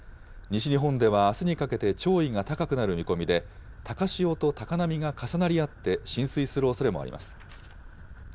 西日本ではあすにかけて潮位が高くなる見込みで、高潮と高波が重なり合って浸水するおそれもあります。